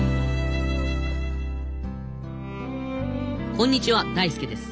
こんにちは大介です。